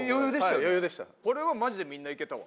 これはマジでみんないけたわ。